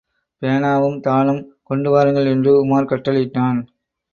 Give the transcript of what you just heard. பேனாவும் தாளும் கொண்டு வாருங்கள் என்று உமார் கட்டளையிட்டான்.